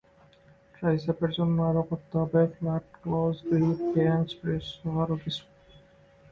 ট্রাইসেপের জন্য আরও করতে হবে ফ্লাট ক্লোজ গ্রিপ বেঞ্চ প্রেসসহ আরও কিছু।